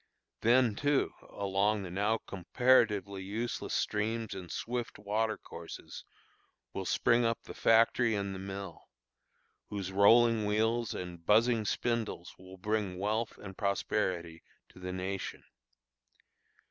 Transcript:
Then, too, along the now comparatively useless streams and swift water courses, will spring up the factory and the mill, whose rolling wheels and buzzing spindles will bring wealth and prosperity to the nation.